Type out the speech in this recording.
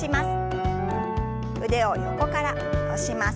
腕を横から下ろします。